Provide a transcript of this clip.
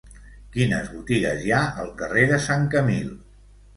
Quines botigues hi ha al carrer de Sant Camil?